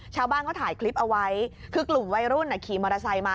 ชาวบ้านเขาถ่ายคลิปเอาไว้คือกลุ่มวัยรุ่นขี่มอเตอร์ไซค์มา